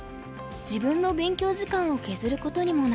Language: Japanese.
自分の勉強時間を削ることにもなります。